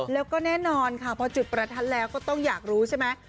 แล้วก็แน่นอนค่ะพอจุดประทัดแล้วก็ต้องอยากรู้ใช่ไหม